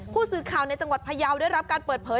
ผู้สื่อข่าวในจังหวัดพยาวได้รับการเปิดเผย